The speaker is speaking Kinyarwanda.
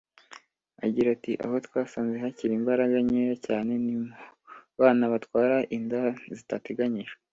Agira ati “Aho twasanze hakiri imbaraga nkeya cyane ni mu bana batwara inda zitateganijwe